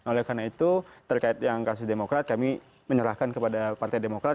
oleh karena itu terkait yang kasus demokrat kami menyerahkan kepada partai demokrat